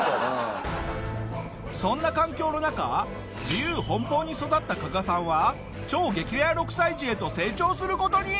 そんな環境の中自由奔放に育った加賀さんは超激レア６歳児へと成長する事に！